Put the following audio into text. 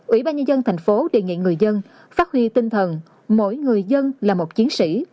ủy ban nhân dân thành phố đề nghị người dân phát huy tinh thần mỗi người dân là một chiến sĩ